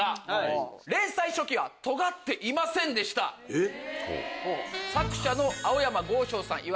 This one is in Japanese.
えっ？